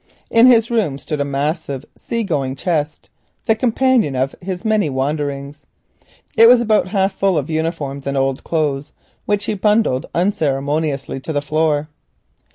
In his room stood a massive sea going chest, the companion of his many wanderings. It was about half full of uniforms and old clothes, which he bundled unceremoniously on to the floor.